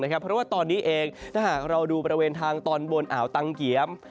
เพราะว่าตอนนี้เองถ้าหากเราดูบริเวณทางตอนบนอ่าวตังเกียม